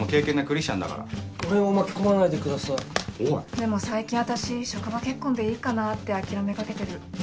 でも最近私職場結婚でいいかなって諦めかけてる。え？